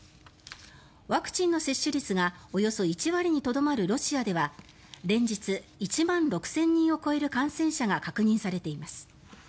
ワクチンの接種率がおよそ１割にとどまるロシアでは連日１万６０００人を超える感染者が確認されています。